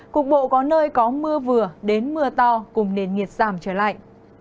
cục bộ có nơi có mưa vừa đến mưa to cùng nền nhiệt giảm trở lại